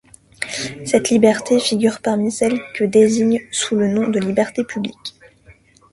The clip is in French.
Cette liberté figure parmi celles que désigne sous le nom de libertés publiques.